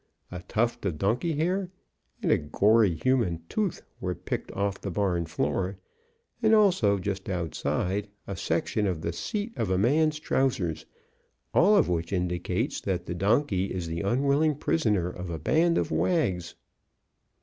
A tuft of donkey hair and a gory human tooth were picked off the barn floor, and also, just outside, a section of the seat of a man's trousers, all of which indicates that the donkey is the unwilling prisoner of a band of wags.